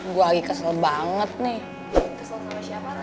boy berantem sama kobar